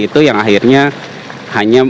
itu yang akhirnya hanya